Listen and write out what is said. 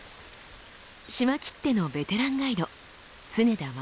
島きってのベテランガイド